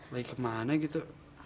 lagi kemana gitu